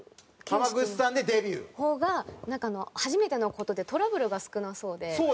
濱口さんでデビュー？の方がなんか初めての事でトラブルが少なそうで。